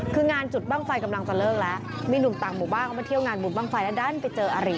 คืองานจุดบ้างไฟกำลังจะเลิกแล้วมีหนุ่มต่างหมู่บ้านเขามาเที่ยวงานบุญบ้างไฟแล้วดันไปเจออาริ